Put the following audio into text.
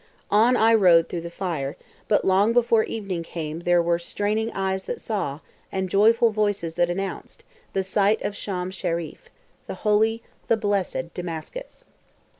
On I rode through the fire, but long before evening came there were straining eyes that saw, and joyful voices that announced, the sight of Shaum Shereef—the "holy," the "blessed" Damascus.